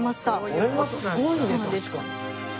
これはすごいね確かに。